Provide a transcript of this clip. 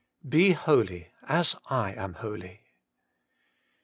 BE HOLY, AS I AM HOLY.